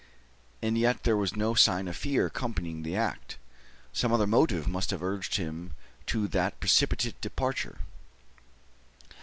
And yet there was no sign of fear accompanying the act. Some other motive must have urged him to that precipitate departure.